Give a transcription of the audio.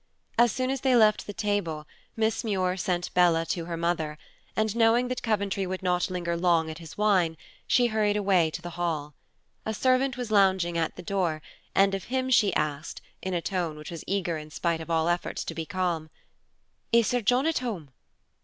As soon as they left the table, Miss Muir sent Bella to her mother; and, knowing that Coventry would not linger long at his wine, she hurried away to the Hall. A servant was lounging at the door, and of him she asked, in a tone which was eager in spite of all efforts to be calm, "Is Sir John at home?"